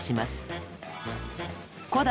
古代